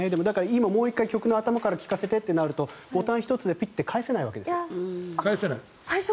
今、もう１回曲の頭から聴かせてってなるとボタン１つでピッと返せないわけです。